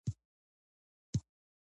دا سیمي به بیرته زموږ شي.